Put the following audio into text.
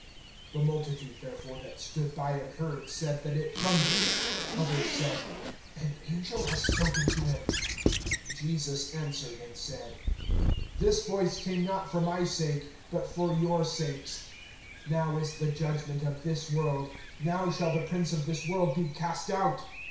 (29)The multitude therefore that stood by and heard, said that it thundered; others said: An angel has spoken to him. (30)Jesus answered and said: This voice came not for my sake, but for your sakes. (31)Now is the judgment of this world; now shall the prince of this world be cast out.